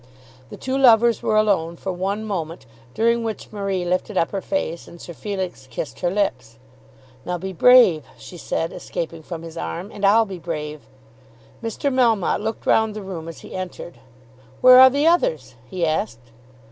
The two lovers were alone for one moment, during which Marie lifted up her face, and Sir Felix kissed her lips. "Now be brave," she said, escaping from his arm, "and I'll be brave." Mr. Melmotte looked round the room as he entered. "Where are the others?" he asked.